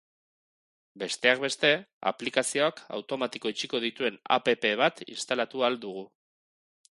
Besteak beste, aplikazioak automatiko itxiko dituen app bat instalatu ahal dugu.